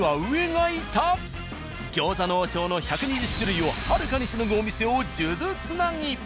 「餃子の王将」の１２０種類をはるかにしのぐお店を数珠繋ぎ。